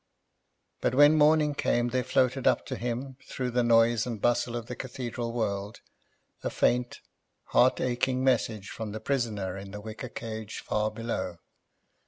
But when morning came there floated up to him, through the noise and bustle of the Cathedral world, a faint heart aching message from the prisoner in the wicker cage far below.